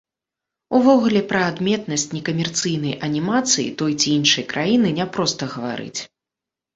Увогуле, пра адметнасць некамерцыйнай анімацыі той ці іншай краіны няпроста гаварыць.